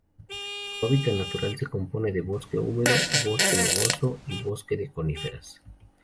Su hábitat natural se compone de bosque húmedo, bosque nuboso, y bosque de coníferas.